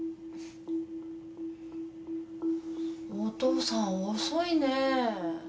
お父さん遅いねぇ。